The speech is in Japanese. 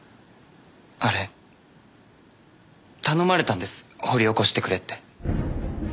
あれ頼まれたんです掘り起こしてくれって。